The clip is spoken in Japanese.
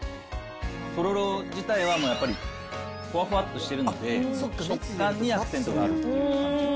とろろ自体は、やっぱり、ふわふわっとしてるので、食感にアクセントがあるっていう感じ。